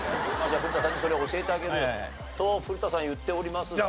じゃあ古田さんにそれを教えてあげると古田さん言っておりますが。